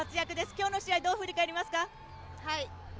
今日の試合どう振り返りますか。